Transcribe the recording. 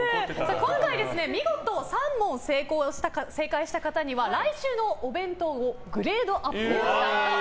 今回見事３問正解した方には来週のお弁当をグレードアップします。